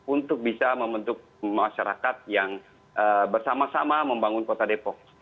untuk bisa membentuk masyarakat yang bersama sama membangun kota depok